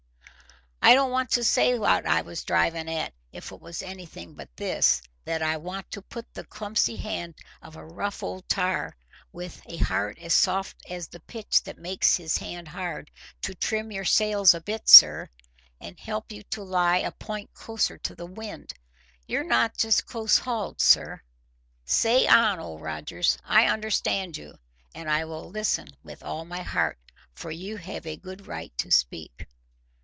"I don't want to say what I was driving at, if it was anything but this—that I want to put to the clumsy hand of a rough old tar, with a heart as soft as the pitch that makes his hand hard—to trim your sails a bit, sir, and help you to lie a point closer to the wind. You're not just close hauled, sir." "Say on, Old Rogers. I understand you, and I will listen with all my heart, for you have a good right to speak."